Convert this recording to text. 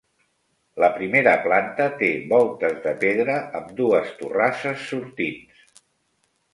La primera planta té voltes de pedra amb dues torrasses sortints.